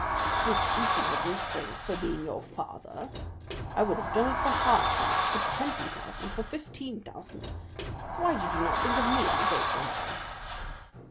"Fifty thousand francs for being your father? I would have done it for half that, for twenty thousand, for fifteen thousand; why did you not think of me, ungrateful man?"